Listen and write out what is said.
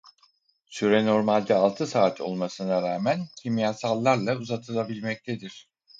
Süre normalde altı saat olmasına rağmen kimyasallarla uzatılabilmektedir.